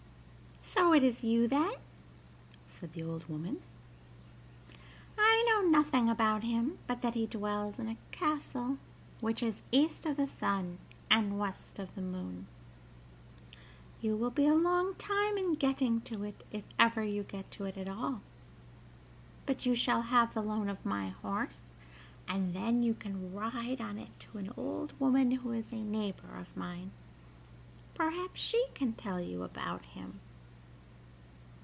"So it is you, then?" said the old woman; "I know nothing about him but that he dwells in a castle which is east of the sun and west of the moon. You will be a long time in getting to it, if ever you get to it at all; but you shall have the loan of my horse, and then you can ride on it to an old woman who is a neighbor of mine: perhaps she can tell you about him.